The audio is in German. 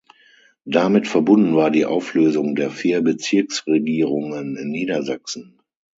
Damit verbunden war die Auflösung der vier Bezirksregierungen in Niedersachsen.